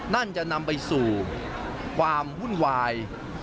นั่นจะนำไปสู่ความวุ่นวาย